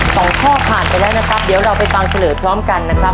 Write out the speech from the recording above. สองข้อผ่านไปแล้วเดี๋ยวไปฟังเฉลินพร้อมกันนะครับ